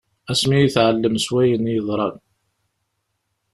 Asmi i teɛllem s wayen yeḍran.